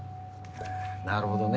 あぁなるほどね。